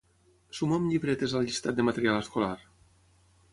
Suma'm llibretes al llistat de material escolar.